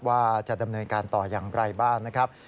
ว่าจะดำเนินการต่ออย่างไรบ้างนะครับ